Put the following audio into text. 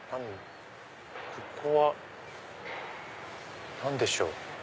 ここは何でしょう？